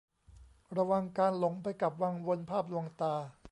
ระวังการหลงไปกับวังวนภาพลวงตา